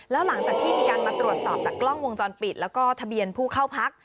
แล้วหลังจากที่มีการมาตรวจสอบจากกล้องวงจรปิดแล้วก็ทะเบียนผู้เข้าพัก